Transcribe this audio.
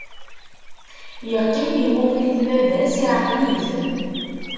Yeqqim imuqel-it baba-s, iɛqel-it.